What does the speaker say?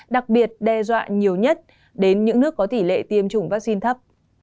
đặc biệt đe dọa nhiều nhất đến những nước có tỷ lệ tiêm chủng vaccine thấp